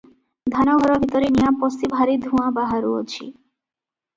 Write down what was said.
ଧାନ ଘର ଭିତରେ ନିଆଁ ପଶି ଭାରି ଧୂଆଁ ବାହାରୁଅଛି ।